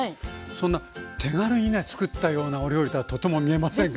そんな手軽にねつくったようなお料理とはとても見えませんが。